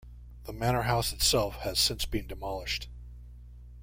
The manor house itself has since been demolished.